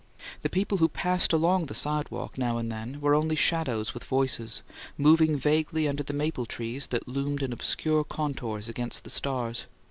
The people who passed along the sidewalk, now and then, were only shadows with voices, moving vaguely under the maple trees that loomed in obscure contours against the stars.